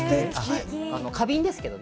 花瓶ですけどね。